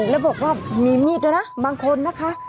แล้วบอกว่ามีมีดด้วยนะบางคนนะคะ